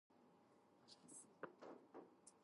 His father was part of the Indian diplomatic service.